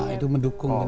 nah itu mendukung